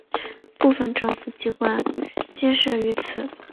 部分政府机关皆设于此。